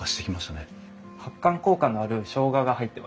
発汗効果のあるしょうがが入ってます。